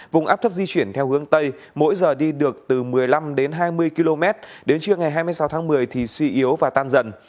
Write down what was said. vùng áp thấp di chuyển theo hướng tây mỗi giờ đi được từ một mươi năm đến hai mươi km đến trưa ngày hai mươi sáu tháng một mươi thì suy yếu và tan dần